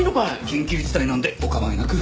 緊急事態なんでお構いなく。